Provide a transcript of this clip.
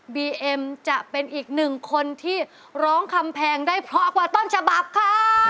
บีเอ็มจะเป็นอีกหนึ่งคนที่ร้องคำแพงได้เพราะกว่าต้นฉบับค่ะ